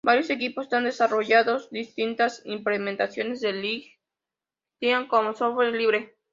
Varios equipos están desarrollando distintas implementaciones de Lightning como software libre.